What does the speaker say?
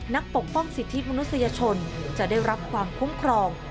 ปกป้องสิทธิมนุษยชนจะได้รับความคุ้มครอง